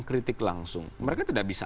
kritik langsung mereka tidak bisa